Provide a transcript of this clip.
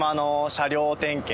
車両点検。